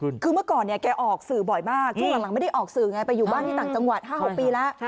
นี่มอปรากฏตัวอีกครั้งนี่